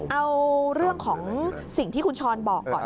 เอาเรื่องของสิ่งที่คุณช้อนบอกก่อน